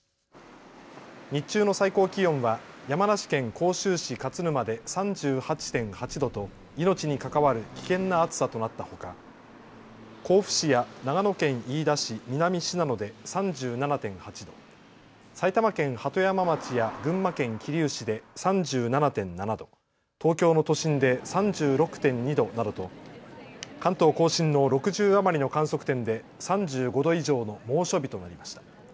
日中の最高気温は山梨県甲州市勝沼で３８．８度と命に関わる危険な暑さとなったほか、甲府市や長野県飯田市南信濃で３７．８度、埼玉県鳩山町や群馬県桐生市で３７．７度、東京の都心で３６．２度などと関東甲信の６０余りの観測点で３５度以上の猛暑日となりました。